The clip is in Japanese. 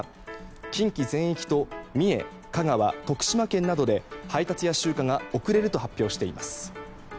近畿全域と三重、香川、徳島県などで配達や集荷が遅れると発表しています。